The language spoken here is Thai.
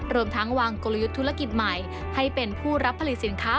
รวมทั้งวางกลยุทธ์ธุรกิจใหม่ให้เป็นผู้รับผลิตสินค้า